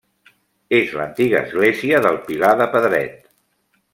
És l’antiga església del Pilar de Pedret.